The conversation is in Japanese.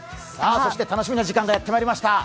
そして楽しみな時間がやってまいりました。